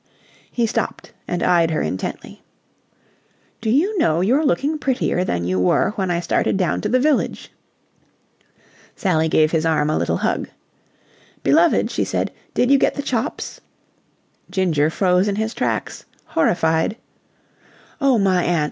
He stopped and eyed her intently. "Do you know you're looking prettier than you were when I started down to the village!" Sally gave his arm a little hug. "Beloved!" she said. "Did you get the chops?" Ginger froze in his tracks, horrified. "Oh, my aunt!